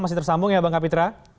masih tersambung ya bang kapitra